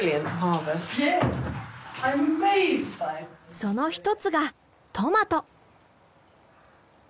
その一つがトマト。